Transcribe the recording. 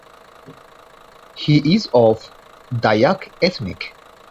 He is of Dayak ethnic.